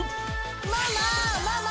ママママ！